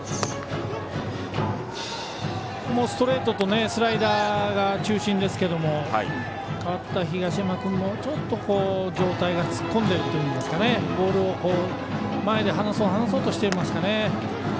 ここもストレートとスライダーが中心ですけど代わった東山君も、ちょっと上体が突っ込んでるというかボールを前で離そう、離そうとしていますかね。